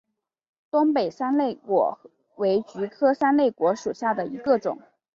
东北三肋果为菊科三肋果属下的一个种。